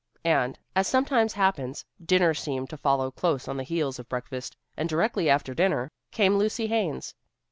And, as sometimes happens, dinner seemed to follow close on the heels of breakfast, and directly after dinner, came Lucy Haines.